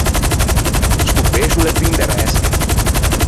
Sto pescio o l’é pin de resche.